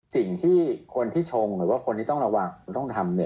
สิ่งที่คนที่ชงหรือว่าการทำ